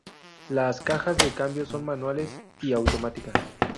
Las cajas de cambios son manuales y automáticas.